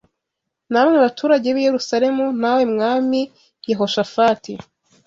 namwe baturage b’i Yerusalemu, nawe Mwami Yehoshafati: